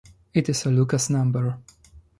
It is a Lucas number.